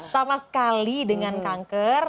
sama sekali dengan kanker